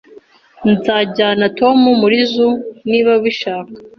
Nzajyana Tom muri zoo niba ubishaka